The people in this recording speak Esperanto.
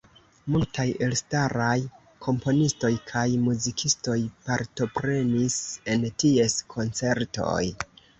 Multaj elstaraj komponistoj kaj muzikistoj partoprenis en ties koncertoj.